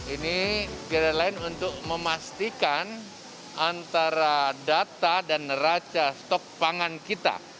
ini pilihan lain untuk memastikan antara data dan neraca stok pangan kita